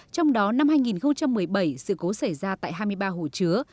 trong đó năm hai nghìn một mươi bảy sự cố xảy ra tại hai mươi ba hồ chứa